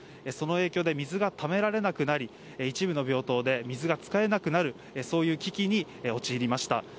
その影響で水がためられなくなり一部の病棟で水が使えなくなるそういう危機に陥りました。